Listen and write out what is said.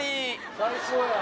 最高やん。